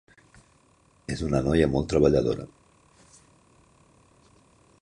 És una noia molt treballadora.